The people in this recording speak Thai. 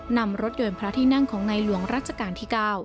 นำรถยนต์พระที่นั่งของในหลวงรัชกาลที่๙